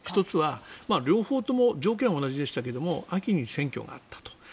１つは両方とも条件は同じでしたけど秋に選挙があったと。